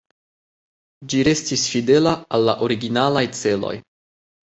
Ĝi restis fidela al la originalaj celoj.